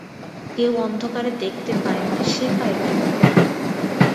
কেউ অন্ধকারে দেখতে পায় না, সে পায় কেন?